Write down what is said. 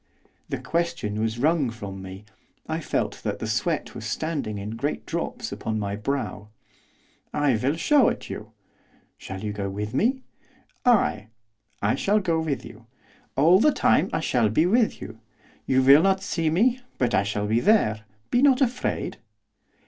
The question was wrung from me; I felt that the sweat was standing in great drops upon my brow. 'I will show it you.' 'Shall you go with me?' 'Ay, I shall go with you. All the time I shall be with you. You will not see me, but I shall be there. Be not afraid.